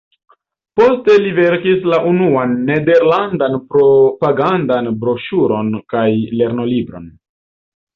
Poste li verkis la unuan nederlandan propagandan broŝuron kaj lernolibron.